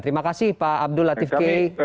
terima kasih pak abdul latif k